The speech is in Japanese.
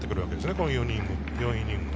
この４イニングは。